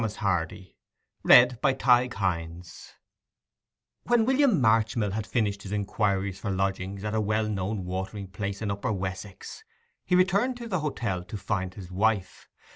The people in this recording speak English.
AN IMAGINATIVE WOMAN When William Marchmill had finished his inquiries for lodgings at a well known watering place in Upper Wessex, he returned to the hotel to find his wife.